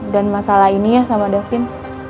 dan masalah ini ya sama davin